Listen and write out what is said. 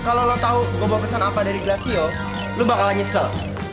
kalau lo tahu gue bawa pesan apa dari glacio lo bakal nyesel